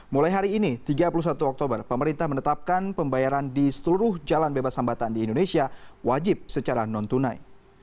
mulai hari ini tiga puluh satu oktober pemerintah menetapkan pembayaran di seluruh jalan bebas hambatan di indonesia wajib secara non tunai